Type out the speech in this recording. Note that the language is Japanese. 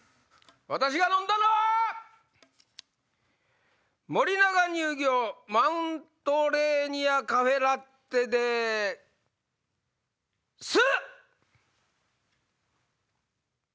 私が飲んだのは森永乳業マウントレーニアカフェラッテです！